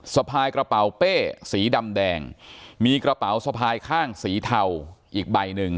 สะพายกระเป๋าเป้สีดำแดงมีกระเป๋าสะพายข้างสีเทาอีกใบหนึ่ง